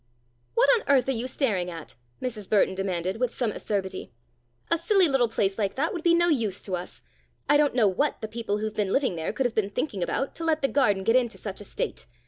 "What on earth are you staring at?" Mrs. Burton demanded, with some acerbity. "A silly little place like that would be no use to us. I don't know what the people who've been living there could have been thinking about, to let the garden get into such a state.